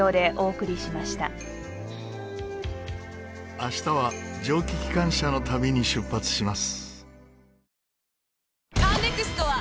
明日は蒸気機関車の旅に出発します。